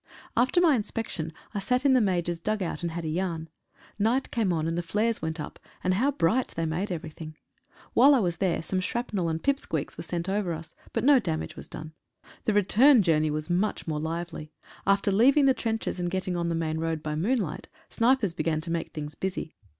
Alter my inspection I sat in the Major's dug out, and had a yarn. Night came on, and the flares went up, and how bright they made everything. While I was there some shrap nel and pip squeaks were sent over us — but no damage was done. The return journey was much more lively. After leaving the trenches and getting on the main road by moonlight, snipers began to make things busy.